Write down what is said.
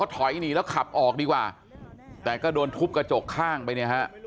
ถอยหนีแล้วขับออกดีกว่าแต่ก็โดนทุบกระจกข้างไปเนี่ยฮะ